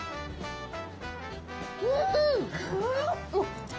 うん！